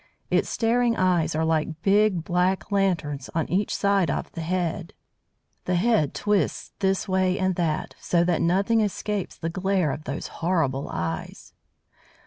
Its staring eyes are like big black lanterns on each side of the head. The head twists this way and that, so that nothing escapes the glare of those horrible eyes.